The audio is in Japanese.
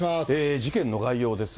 事件の概要ですが。